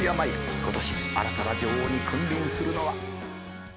今年新たな女王に君臨するのは。